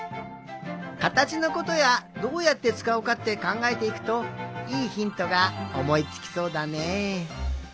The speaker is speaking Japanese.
かたちのことやどうやってつかうかってかんがえていくといいひんとがおもいつきそうだねえ。